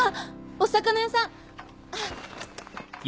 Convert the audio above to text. お魚屋さん！